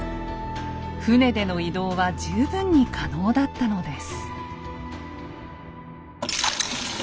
船での移動は十分に可能だったのです。